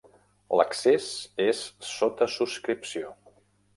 L'accés és sota subscripció.